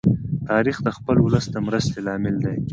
تاریخ د خپل ولس د مرستی لامل دی.